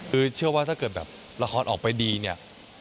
คือเชื่อว่าถ้าเกิดรายละครออกไปดี